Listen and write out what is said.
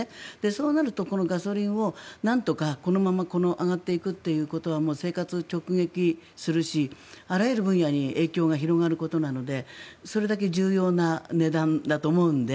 そうなるとガソリンをなんとかこのまま上がっていくということは生活直撃するしあらゆる分野に影響が広がることなのでそれだけ重要な値段だと思うので。